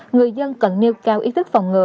người dân cần nêu cao ý thức phòng ngừa